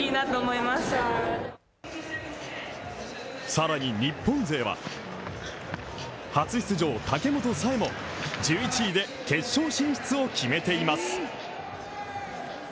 更に日本勢は初出場、武本紗栄も１１位で決勝進出を決めています。